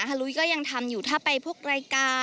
ฮลุยก็ยังทำอยู่ถ้าไปพวกรายการ